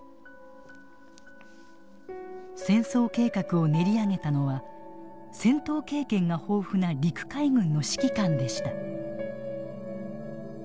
戦争計画を練り上げたのは戦闘経験が豊富な陸海軍の指揮官でした。